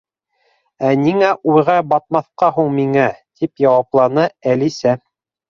—Ә ниңә уйға батмаҫҡа һуң миңә? —тип яуапланы Әлисә.